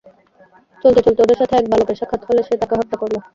চলতে চলতে ওদের সাথে এক বালকের সাক্ষাত হলে সে তাকে হত্যা করল।